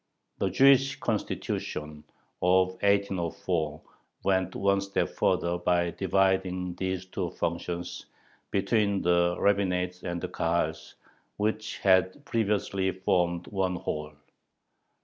The "Jewish Constitution" of 1804 went one step further by dividing these two functions between the rabbinate and the Kahals, which had previously formed one whole.